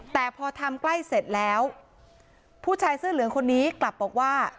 แต่พอทำใกล้เสร็จแล้วผู้ชายเสื้อเหลืองคนนี้กลับบอกว่า